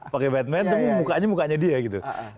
pakai batman tapi mukanya mukanya dia gitu